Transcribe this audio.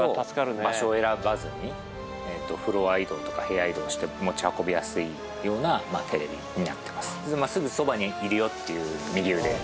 場所を選ばずにフロア移動とか部屋移動しても持ち運びやすいようなテレビになってます。